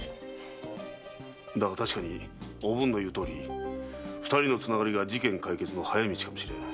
だが確かにおぶんの言うとおり二人のつながりが事件解決の早道かもしれぬ。